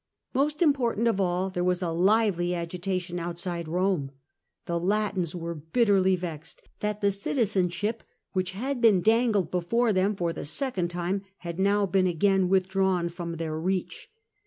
Most important of all, there was a lively agitation outside Rome : the Latins were bitterly vexed that the citizen ship, which had been dangled before them for the second time, had now been again withdrawn from their reach.